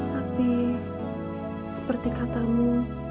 tapi seperti katamu